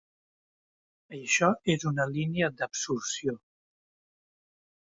Això és una línia d'absorció.